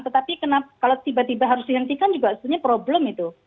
tetapi kalau tiba tiba harus dihentikan juga sebenarnya problem itu